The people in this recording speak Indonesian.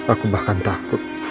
aku bahkan takut